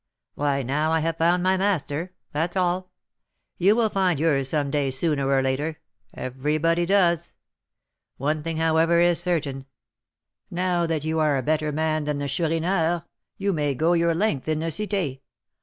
"Why, now I have found my master, that's all; you will find yours some day sooner or later, everybody does. One thing, however, is certain; now that you are a better man than the Chourineur, you may 'go your length' in the Cité.